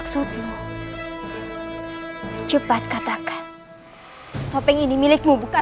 kemampuan lemah seperti itu saja